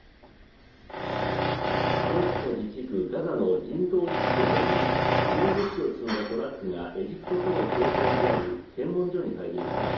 パレスチナ自治区ガザの人道危機を巡り支援物資を積んだトラックがエジプトとの境界にある検問所に入りました。